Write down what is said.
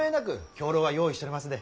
兵糧は用意しとりますで。